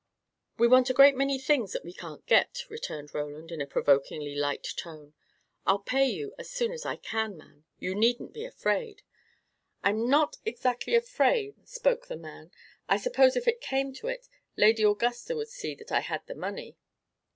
"We want a great many things that we can't get," returned Roland, in a provokingly light tone. "I'll pay you as soon as I can, man; you needn't be afraid." "I'm not exactly afraid," spoke the man. "I suppose if it came to it, Lady Augusta would see that I had the money."